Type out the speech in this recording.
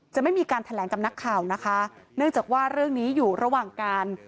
ไม่มีการแถลงกับนักข่าวนะคะเนื่องจากว่าเรื่องนี้อยู่ระหว่างการ